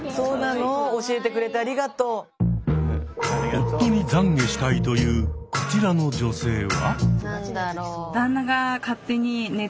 夫に懺悔したいというこちらの女性は。